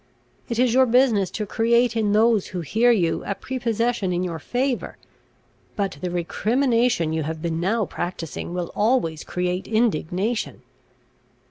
It is your business to create in those who hear you a prepossession in your favour. But the recrimination you have been now practising, will always create indignation.